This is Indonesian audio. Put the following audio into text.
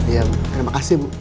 ya terima kasih